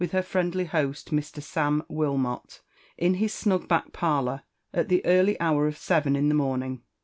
her friendly host Mr. Sam Wilmot, in his snug back parlour, at the early hour of seven in the morning.